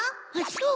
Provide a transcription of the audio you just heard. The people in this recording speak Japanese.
そう。